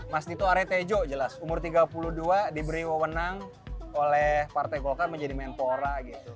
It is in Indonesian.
mas dito aretejo jelas umur tiga puluh dua diberi wewenang oleh partai golkar menjadi mentora gitu